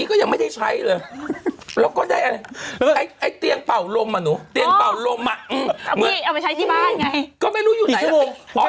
เอ้าไปใช้ที่บ้านไงก็ไม่รู้อยู่ไหน